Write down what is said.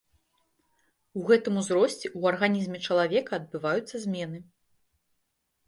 У гэтым узросце ў арганізме чалавека адбываюцца змены.